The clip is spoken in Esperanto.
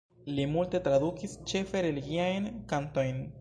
Li multe tradukis, ĉefe religiajn kantojn.